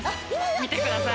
見てください。